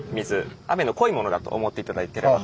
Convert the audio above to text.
雨の濃いものだと思って頂いていれば。